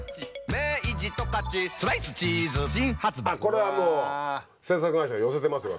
これはもう制作会社が寄せてますよ